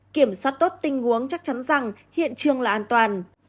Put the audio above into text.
kiểm soát tốt tình huống chắc chắn rằng hiện trường là an toàn